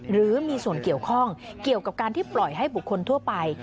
หรือมีส่วนเกี่ยวข้องเกี่ยวกับการที่ปล่อยให้บุคคลทั่วไป